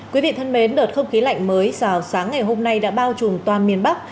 quý vị thân mến đợt không khí lạnh mới vào sáng ngày hôm nay đã bao trùm toàn miền bắc